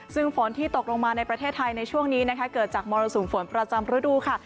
ซึ่งฝนที่ตกลงมาในประเทศไทยในช่วงนี้นะคะเกิดจากมรสุมฝนประจำฤดูค่ะ